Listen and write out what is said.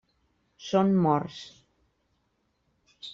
Són morts.